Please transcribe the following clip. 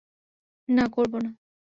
না, করব না।